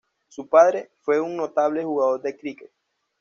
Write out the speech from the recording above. Su padre fue un notable jugador de cricket.